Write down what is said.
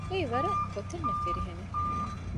އެއީ ވަރަށް ގޮތެއްނެތް ފިރިހެނެއް